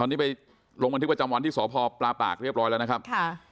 ตอนนี้ไปลงบันทึกประจำวันที่สพปลาปากเรียบร้อยแล้วนะครับค่ะ